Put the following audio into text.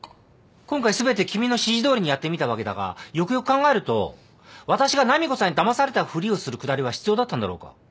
今回全て君の指示どおりにやってみたわけだがよくよく考えると私が波子さんにだまされたふりをするくだりは必要だったんだろうか？